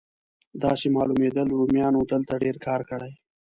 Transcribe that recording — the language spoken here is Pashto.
داسې معلومېدل رومیانو دلته ډېر کار کړی.